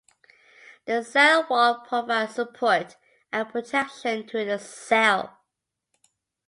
The cell wall provides support and protection to the cell.